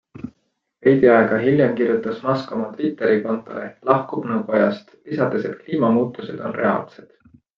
Veidi aega hiljem kirjutas Musk oma Twitteri kontol, et lahkub nõukojast, lisades, et kliimamuutused on reaalsed.